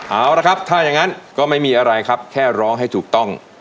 เอาละครับถ้าอย่างนั้นก็ไม่มีอะไรครับแค่ร้องให้ถูกต้อง